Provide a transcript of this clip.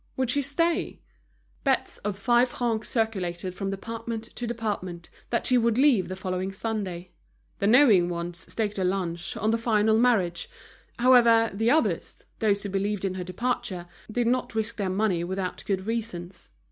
Would she stay? Bets of five francs circulated from department to department that she would leave the following Sunday. The knowing ones staked a lunch on the final marriage; however, the others, those who believed in her departure, did not risk their money without good reasons.